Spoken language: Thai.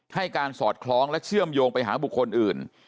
ให้การสอดคล้องและเชื่อมโยงไปหาบุคคลอื่น